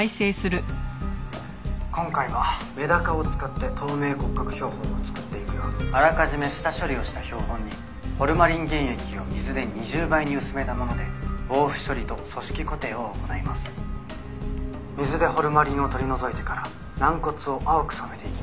「今回はメダカを使って透明骨格標本を作っていくよ」「あらかじめ下処理をした標本にホルマリン原液を水で２０倍に薄めたもので防腐処理と組織固定を行います」「水でホルマリンを取り除いてから軟骨を青く染めていきます」